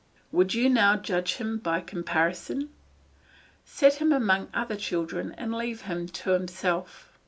Would you now judge him by comparison? Set him among other children and leave him to himself.